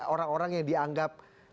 orang orang yang dianggap